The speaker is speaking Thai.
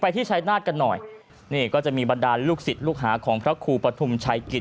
ที่ชายนาฏกันหน่อยนี่ก็จะมีบรรดาลูกศิษย์ลูกหาของพระครูปฐุมชัยกิจ